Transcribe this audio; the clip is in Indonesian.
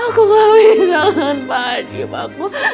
aku gak bisa dengan pak haji pak